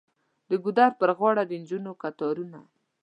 د ګودر په غاړه د نجونو کتارونه.